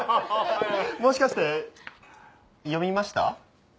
もしかして読みました？